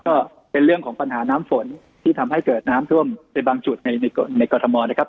ก็เป็นเรื่องของปัญหาน้ำฝนที่ทำให้เกิดน้ำท่วมในบางจุดในกรทมนะครับ